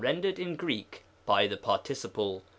189 dered in Greek by the participle.